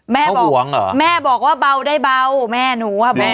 แม่บอกแบบว่าเบาได้เบาแม่หนูอะ